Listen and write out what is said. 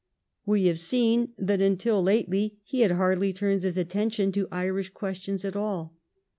We have seen that, until lately, he had hardly turned his attention to Irish questions at all.